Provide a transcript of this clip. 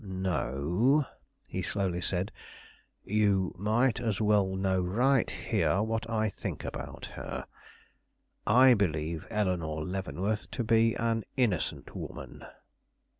"No," he slowly said; "you might as well know right here what I think about that. I believe Eleanore Leavenworth to be an innocent woman."